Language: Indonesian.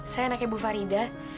saya anaknya bu farida